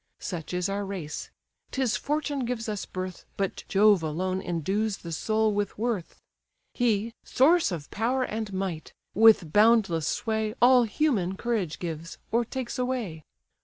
Such is our race: 'tis fortune gives us birth, But Jove alone endues the soul with worth: He, source of power and might! with boundless sway, All human courage gives, or takes away.